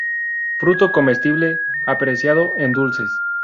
Fruto comestible, apreciado en dulces.